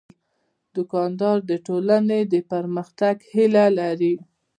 دوکاندار د ټولنې د پرمختګ هیله لري.